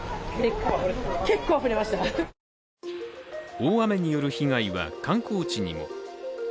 大雨による被害は観光地にも。